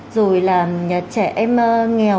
rồi là trẻ em nghèo